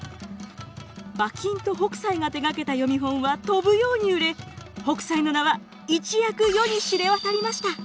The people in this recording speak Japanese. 馬琴と北斎が手がけた読本は飛ぶように売れ北斎の名は一躍世に知れ渡りました。